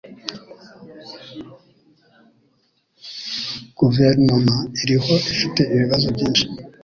Guverinoma iriho ifite ibibazo byinshi.